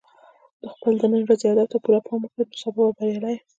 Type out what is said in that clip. خپل د نن ورځې هدف ته پوره پام وکړه، نو سبا به بریالی یې.